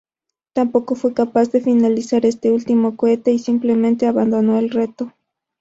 Tampoco fue capaz de finalizar este último cohete, y simplemente abandonó el reto.